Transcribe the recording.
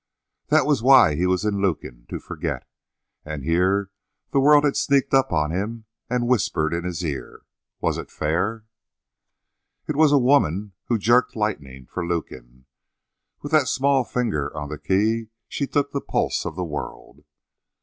That was why he was in Lukin to forget. And here the world had sneaked up on him and whispered in his ear. Was it fair? It was a woman who "jerked lightning" for Lukin. With that small finger on the key she took the pulse of the world.